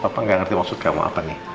papa gak ngerti maksud kamu apa nih